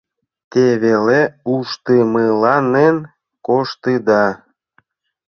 Те веле ушдымыланен коштыда.